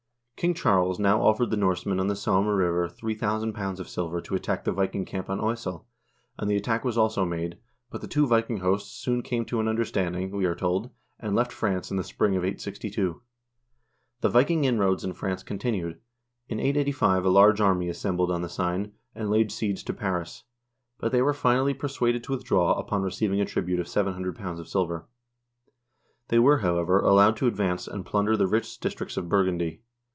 King Charles now offered the Norse men on the Somme River 3000 pounds of silver to attack the Viking camp on Oissel, and the attack was also made, but the two Viking hosts soon came to an understanding, we are told, and left France in the spring of 862. The Viking inroads in France continued. In 885 a large army assembled on the Seine and laid siege to Paris, but they were, finally, persuaded to withdraw upon receiving a tribute of 700 pounds of silver. They were, however, allowed to advance, and plunder the rich districts of Burgundy.